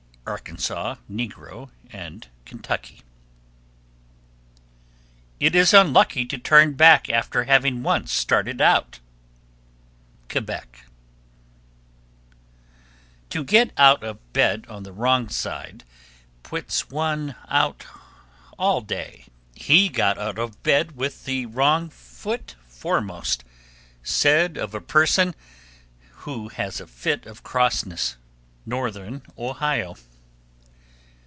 Arkansas (negro), and Kentucky. 1273. It is unlucky to turn back after having once started out. Quebec. 1274. To get out of bed on the wrong side puts one out all day. "He got out of bed with the wrong foot foremost" is said of a person who has a fit of crossness. _Northern Ohio.